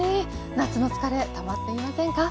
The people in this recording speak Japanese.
夏の疲れたまっていませんか？